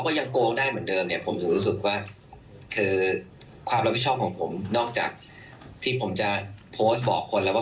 พรุ่งนี้ช่วงบ่ายครับอภวบังพีครับ